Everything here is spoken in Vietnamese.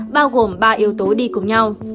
bao gồm ba yếu tố đi cùng nhau